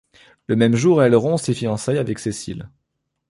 Le même jour, elle rompt ses fiançailles avec Cecil.